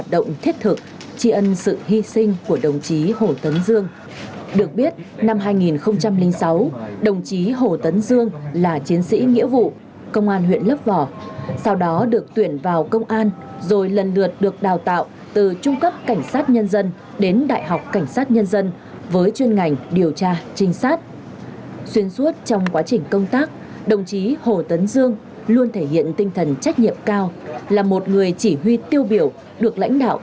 đã đến tiễn đưa thiếu tá hồ tấn dương về nơi an nghỉ cuối cùng trong niềm tiếc thương vô hại